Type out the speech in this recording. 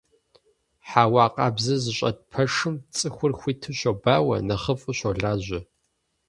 Хьэуа къабзэ зыщӀэт пэшым цӀыхур хуиту щобауэ, нэхъыфӀу щолажьэ.